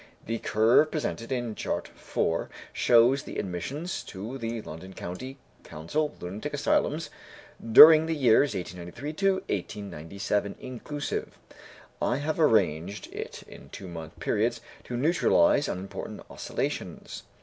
The curve presented in Chart 4 shows the admissions to the London County Council Lunatic Asylums during the years 1893 to 1897 inclusive; I have arranged it in two month periods, to neutralize unimportant oscillations.